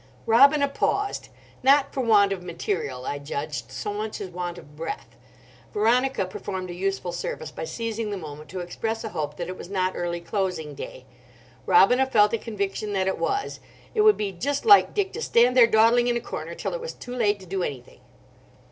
Robina paused. Not for want of material, I judged, so much as want of breath. Veronica performed a useful service by seizing the moment to express a hope that it was not early closing day. Robina felt a conviction that it was: it would be just like Dick to stand there dawdling in a corner till it was too late to do anything.